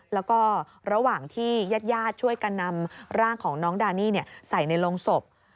แล้วก็ระหว่างที่ญาติญาติช่วยกันนำร่างของน้องดานี่ใส่ในโรงศพ